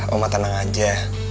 oma tenang aja